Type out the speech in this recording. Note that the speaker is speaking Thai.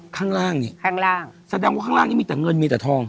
ข้างล่างเนี่ยข้างล่างแสดงว่าข้างล่างนี้มีแต่เงินมีแต่ทอง